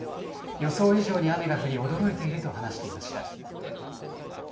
予想以上に雨が降り驚いていると話していました。